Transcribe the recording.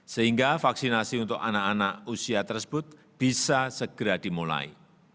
sehingga vaksinasi untuk anak anak usia tersebut bisa segera dimulai